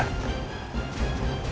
nanti kita berdua